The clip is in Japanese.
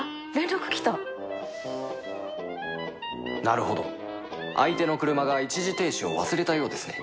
なるほど相手の車が一時停止を忘れたようですね